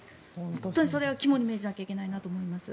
本当にそれは肝に銘じなきゃいけないなと思います。